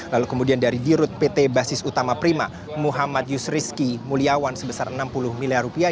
lalu kemudian dari dirut pt basis utama prima muhammad yusriski muliawan sebesar enam puluh miliar rupiah